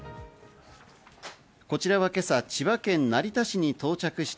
こちらは今朝、千葉県成田市に到着した